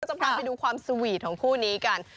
จะพาไปดูความสวีทของคู่นี้กัน